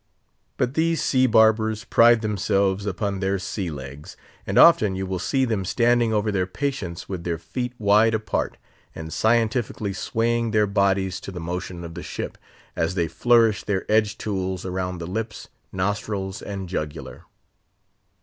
But these sea barbers pride themselves upon their sea legs, and often you will see them standing over their patients with their feet wide apart, and scientifically swaying their bodies to the motion of the ship, as they flourish their edge tools about the lips, nostrils, and jugular.